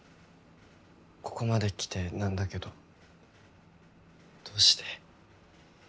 ここまで来てなんだけどどうして？